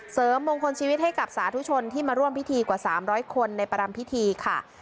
มงคลชีวิตให้กับสาธุชนที่มาร่วมพิธีกว่า๓๐๐คนในประรำพิธีค่ะ